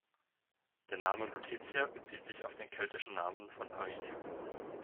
Der Name Lutetia bezieht sich auf den keltischen Namen von Paris.